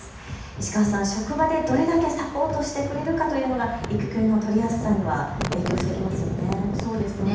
石川さん、職場でどれだけサポートしてくれるかというのが育休の取りやすさには影響してきますよね。